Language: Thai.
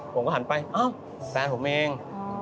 ผมก็หันไปอ้าวแฟนผมเอง